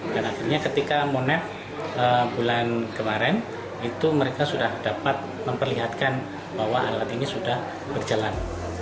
dan akhirnya ketika monek bulan kemarin itu mereka sudah dapat memperlihatkan bahwa alat ini sudah berjalan